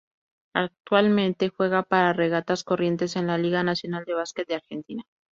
Actualmente juega para Regatas Corrientes en la Liga Nacional de Básquet de Argentina.